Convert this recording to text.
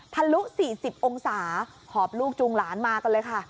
ทะลุ๔๐องศาหอบลูกจูงหลานมากันเลยค่ะ